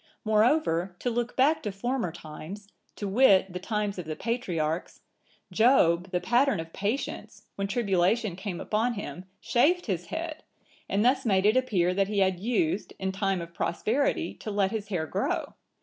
Moreover, to look back to former times, to wit, the times of the patriarchs, Job, the pattern of patience, when tribulation came upon him, shaved his head,(979) and thus made it appear that he had used, in time of prosperity, to let his hair grow.